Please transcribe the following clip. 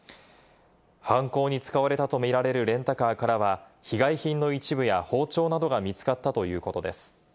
犯行に使われたとみられるレンタカーからは被害品の一部や包丁などが見つかったということです。